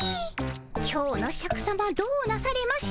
今日のシャクさまどうなされました？